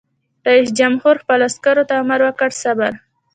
رئیس جمهور خپلو عسکرو ته امر وکړ؛ صبر!